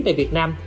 tại việt nam